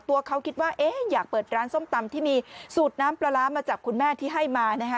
ตัวเขาคิดว่าเอ๊ะอยากเปิดร้านส้มตำที่มีสูตรน้ำปลาร้ามาจากคุณแม่ที่ให้มานะคะ